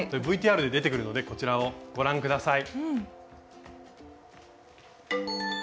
ＶＴＲで出てくるのでこちらをご覧下さい。